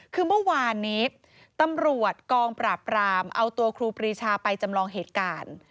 คือเมื่อวานนี้ตำรวจกองปราบรามเอาตัวครูปรีชาไปจำลองเหตุการณ์